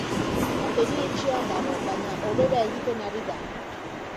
Erietxean dago, baina hobera egiten ari da.